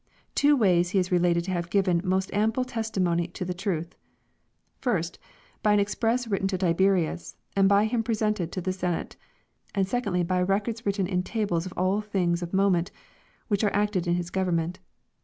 Two ways he is related to have given most ample testimony to the truth, first by an express written to Tiberius and by him presented to the sen ate, and secondly by records written in tables of all things of mo ment which were acted in his government."